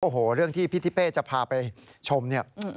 โอ้โหเรื่องที่พี่ทิเป้จะพาไปชมเนี่ย